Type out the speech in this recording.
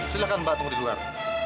silahkan mbak tunggu di luar